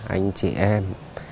anh chị em